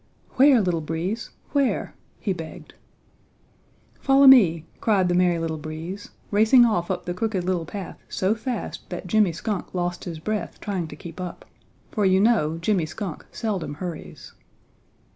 "Where, Little Breeze, where?" he begged. "Follow me," cried the Merry Little Breeze, racing off up the Crooked Little Path so fast that Jimmy Skunk lost his breath trying to keep up, for you know Jimmy Skunk seldom hurries.